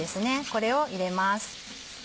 これを入れます。